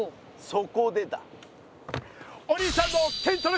そこでだ。